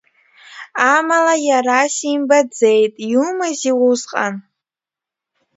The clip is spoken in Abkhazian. Амала, иара симбаӡеит, иумази усҟан?